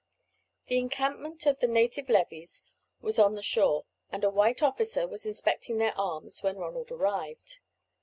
The encampment of the native levies was on the shore, and a white officer was inspecting their arms when Ronald arrived.